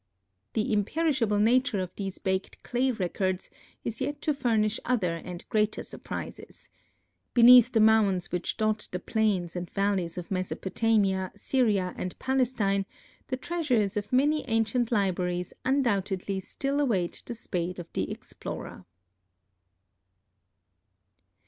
The imperishable nature of these baked clay records is yet to furnish other and greater surprises. Beneath the mounds which dot the plains and valleys of Mesopotamia, Syria and Palestine, the treasures of many ancient libraries undoubtedly still await the spade of the explorer.